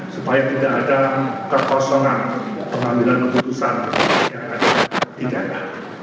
supaya tidak ada terporsongan pengambilan keputusan yang ada di daerah